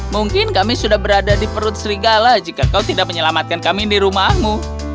mungkin kami sudah berada di perut serigala jika kau tidak menyelamatkan kami di rumahmu